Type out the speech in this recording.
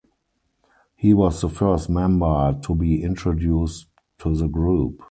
He was the first member to be introduced to the group.